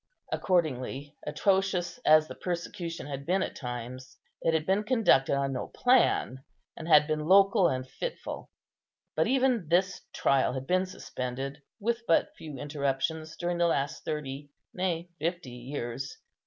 Accordingly, atrocious as the persecution had been at times, it had been conducted on no plan, and had been local and fitful. But even this trial had been suspended, with but few interruptions, during the last thirty, nay, fifty years.